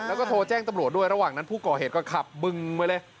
แล้วก็โทรแจ้งตำรวจด้วยระหว่างนั้นผู้ก่อเหตุก็ขับบึงไปเลย